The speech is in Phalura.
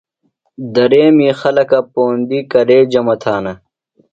دریمی خلکہ پوندیۡ کرے جمع تھانہ؟